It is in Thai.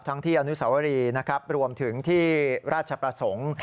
ที่อนุสาวรีนะครับรวมถึงที่ราชประสงค์